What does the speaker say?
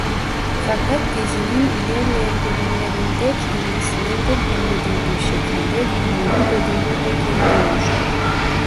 Fakat dizinin ilerleyen bölümlerinde kendisinin de bilmediği bir şekilde dünyevi bedeni ile geri dönmüştür.